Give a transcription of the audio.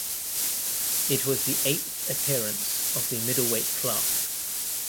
It was the eighth appearance of the middleweight class.